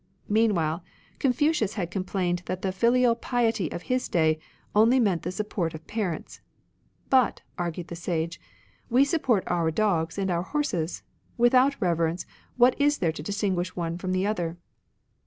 Meanwhile, Cionfucius had complained that the filial piety of his day only meant the support of parents. " But," argued the Sage, " we support, our dogs and our horses ; without reverence, what is there to distinguish one from the other